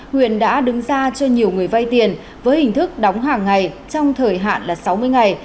huyền đã đứng ra cho nhiều người vay tiền với hình thức đóng hàng ngày trong thời hạn là sáu mươi ngày